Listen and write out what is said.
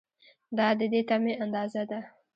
دا د دې تمې اندازه ده.